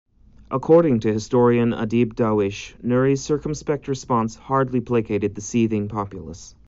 According to historian Adeeb Dawish, Nuri's circumspect response hardly placated the seething populace.